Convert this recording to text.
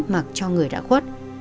mặc cho người đã khuất